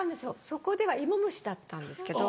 そこではイモムシだったんですけど。